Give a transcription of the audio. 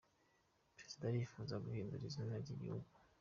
Perezida arifuza guhindura izina ry’igihugu